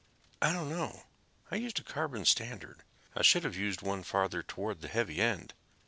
"I don't know. I used a carbon standard. I should have used one farther toward the heavy end.